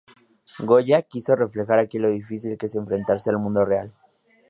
Goya quiso reflejar aquí lo difícil que es enfrentarse al mundo real.